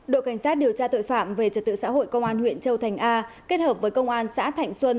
đội cảnh sát điều tra tội phạm về trật tự xã hội công an huyện châu thành a kết hợp với công an xã thạnh xuân